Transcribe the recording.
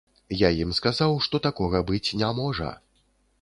Я ім сказаў, што такога быць не можа.